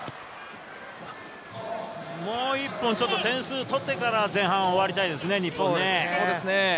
もう１本点数を取ってから前半終わりたいですね、日本ね。